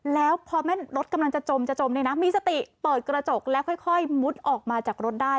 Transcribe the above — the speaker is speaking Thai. แล้วพอแม่รถกำลังจะจมจะจมเนี่ยนะมีสติเปิดกระจกแล้วค่อยมุดออกมาจากรถได้